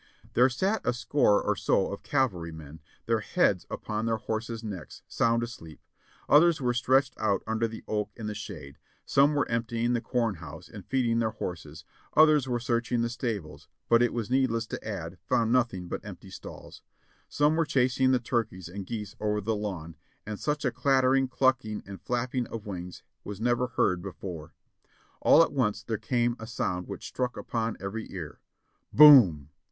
There sat a score or so of cavalrymen, their heads upon their horses' necks, sound asleep ; others were stretched out under the oak in the shade, some were emptying the corn house and feeding their horses, others were searching the stables, but it is needless to add, found nothing but empty stalls; some were chasing the turkeys and geese over the lawn, and such a clattering, clucking and flapping of wings was never heard before. 584 JOHNNY REB AND BILLY YANK ' All at once there came a sound which struck upon every ear. Boom